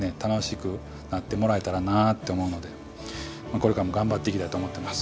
これからも頑張っていきたいと思ってます。